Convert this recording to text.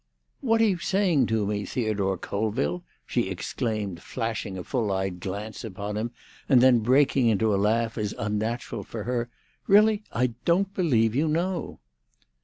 "What are you saying to me, Theodore Colville?" she exclaimed, flashing a full eyed glance upon him, and then breaking into a laugh, as unnatural for her. "Really, I don't believe you know!"